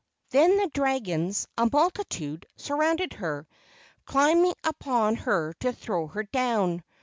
Then the dragons, a multitude, surrounded her, climbing upon her to throw her down.